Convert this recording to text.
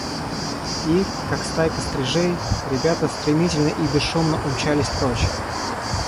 И, как стайка стрижей, ребята стремительно и бесшумно умчались прочь.